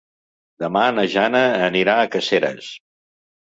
Demà na Jana anirà a Caseres.